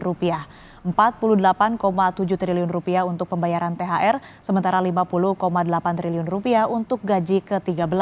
rp empat puluh delapan tujuh triliun untuk pembayaran thr sementara rp lima puluh delapan triliun untuk gaji ke tiga belas